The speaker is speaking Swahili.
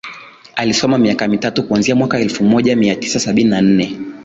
Alisoma miaka mitatu kuanzia mwaka elfu moja mia tisa sabini na nne